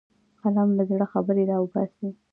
قلم له زړه خبرې راوباسي